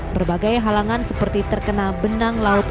berbagai halangan seperti terkena benang laut